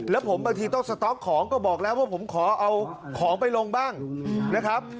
แล้วผมบางทีต้องสต๊อกของก็บอกแล้วว่าผมขอเอาของไปลงบ้างนะครับ